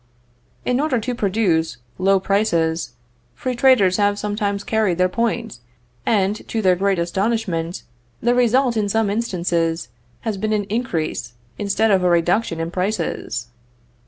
In order to produce low prices, free traders have sometimes carried their point, and, to their great astonishment, the result in some instances has been an increase instead of a reduction in prices.